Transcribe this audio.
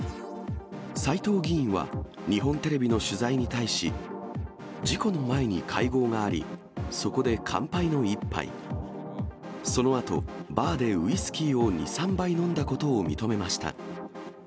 斉藤議員は日本テレビの取材に対し、事故の前に会合があり、そこで乾杯の１杯、そのあと、バーでウイスキーを２、３杯飲んだことを認めました。